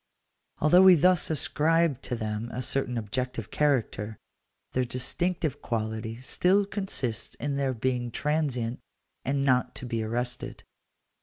Although we thus ascribe to them a certain objective character, their distinctive quality still consists in their being transient, and not to be arrested.